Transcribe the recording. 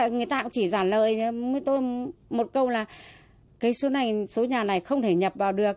người ta cũng chỉ giả lời với tôi một câu là số nhà này không thể nhập vào được